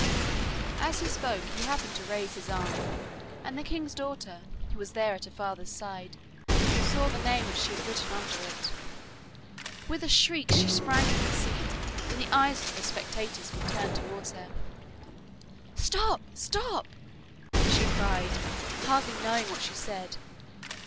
As he spoke he happened to raise his arm, and the king's daughter, who was there at her father's side, saw the name which she had written under it. With a shriek she sprang from her seat, and the eyes of the spectators were turned towards her. 'Stop! stop!' she cried, hardly knowing what she said.